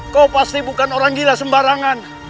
kau pasti bukan orang gila sembarangan